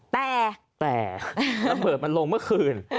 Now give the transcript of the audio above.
แต่แต่ถ้าเผิดมันลงเมื่อคืน